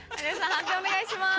判定お願いします。